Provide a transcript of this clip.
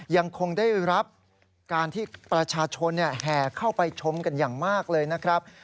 ยังคงได้รับการที่ประชาชนแห่เข้าไปชมกันอย่างมากเลยนะครับ